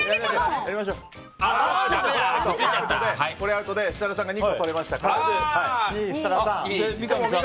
アウトで設楽さんが２個取れましたから。